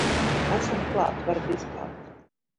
Esam klāt, varat izkāpt.